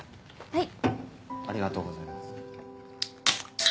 はい。